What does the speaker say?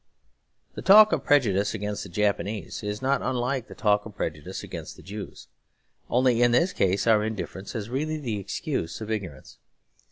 The talk of prejudice against the Japs is not unlike the talk of prejudice against the Jews. Only in this case our indifference has really the excuse of ignorance.